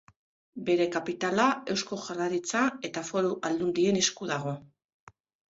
Bere kapitala Eusko Jaurlaritza eta Foru Aldundien esku dago.